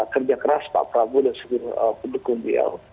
kerja keras pak prabowo dan pendukung beliau